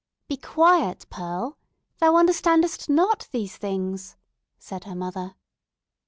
"Be quiet, Pearl—thou understandest not these things," said her mother.